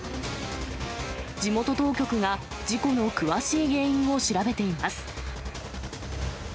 地元当局が事故の詳しい原因を調べています。